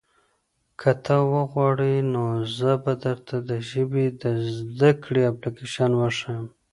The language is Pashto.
که ته وغواړې نو زه به درته د ژبې د زده کړې اپلیکیشن وښیم.